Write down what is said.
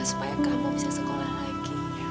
supaya kamu bisa sekolah lagi